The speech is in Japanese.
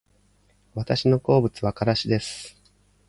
私の好物はからしです